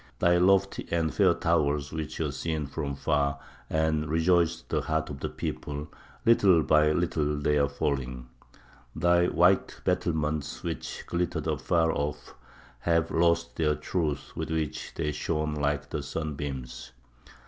"Thy lofty and fair towers which were seen from far, and rejoiced the hearts of the people, ... little by little they are falling. "Thy white battlements which glittered afar off, have lost their truth with which they shone like the sunbeams.